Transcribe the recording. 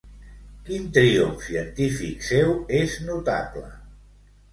Quin triomf científic seu és notable?